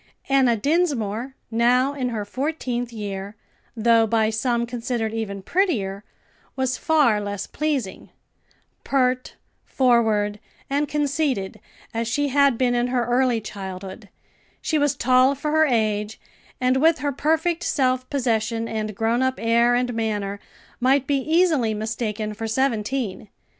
Enna Dinsmore, now in her fourteenth year, though by some considered even prettier, was far less pleasing pert, forward, and conceited as she had been in her early childhood; she was tall for her age, and with her perfect self possession and grown up air and manner, might be easily mistaken for seventeen.